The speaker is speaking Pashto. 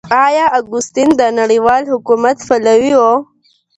آيا اګوستين د نړيوال حکومت پلوي و؟